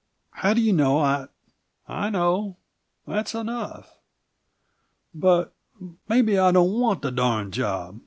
How do you know I " "I know. That's enough." "But maybe I don't want the darned job.